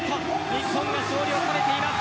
日本が勝利を収めています。